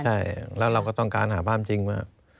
ใช่แล้วเราก็ต้องการหาความจริงว่า